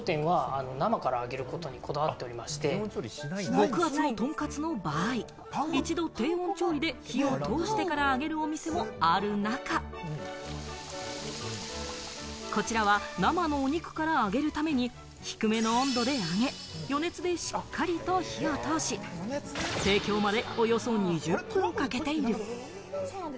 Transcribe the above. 極厚のとんかつの場合、一度、低温調理で火を通してから揚げるお店もある中、こちらは生のお肉から揚げるために低めの温度で揚げ、余熱でしっかりと火を通し、提供まで、およそ２０分かけている。